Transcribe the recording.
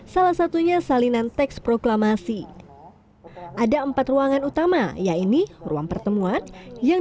salah satunya salinan teks proklamasi ada empat ruangan utama yaitu ruang pertemuan yang